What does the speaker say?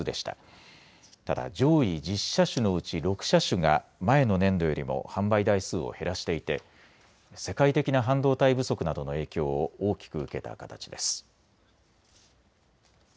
ただ上位１０車種のうち６車種が前の年度よりも販売台数を減らしていて世界的な半導体不足などの影響を大きく受けた形です。